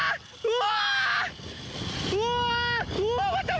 うわ！